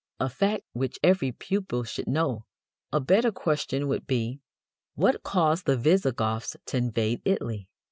a fact which every pupil should know a better question would be: "What caused the Visigoths to invade Italy?"